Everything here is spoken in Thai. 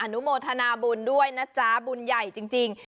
นุโมทนาบุญด้วยนะจ๊ะบุญใหญ่จริง